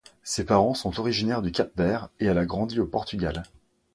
Ses parents sont originaires du Cap-Vert et elle a grandi au Portugal.